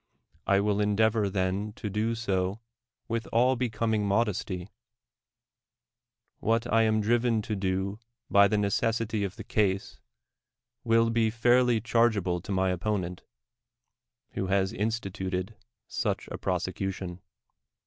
I will endeavor then to do so with all becoming modesty; what I am driven to do by the necessity of the case, will be fairly chargeable to m}' opponent, who has in stituted such a prosecution.